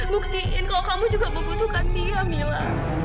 buktiin kalau kamu juga membutuhkan dia mila